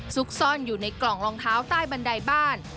ซุกซ่อนอยู่ในกล่องรองเท้าใต้บันไดบ้าน